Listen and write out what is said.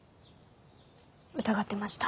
疑ってました。